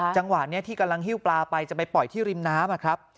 จังหวะนี้ที่กำลังหิ้วปลาไปจะไปปล่อยที่ริมน้ำครับ